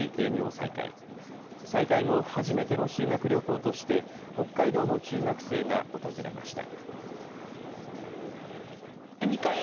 再開後初めての修学旅行として北海道の中学生が訪れました。